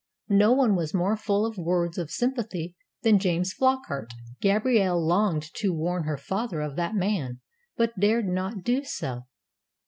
No one was more full of words of sympathy than James Flockart. Gabrielle longed to warn her father of that man, but dared not do so.